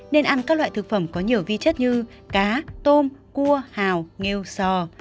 nên ăn các loại thực phẩm có nhiều vi chất như cá tôm cua hào nghêu sò